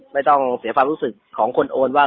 แล้วพี่สาวเป็นฟูก็ยังตกใจว่า